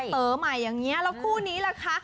เต๋อใหม่อย่างนี้แล้วคู่นี้ล่ะคะ